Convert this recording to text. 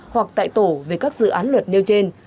hoặc tại tổ về các dự án luật nêu trên